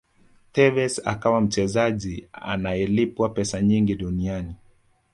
tevez akawa mchezaji anayelipwa pesa nyingi duniani